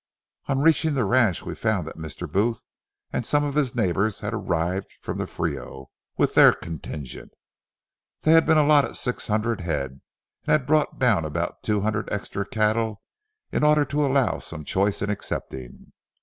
On reaching the ranch we found that Mr. Booth and some of his neighbors had arrived from the Frio with their contingent. They had been allotted six hundred head, and had brought down about two hundred extra cattle in order to allow some choice in accepting.